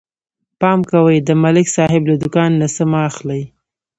پام کوئ د ملک صاحب له دوکان نه څه مه اخلئ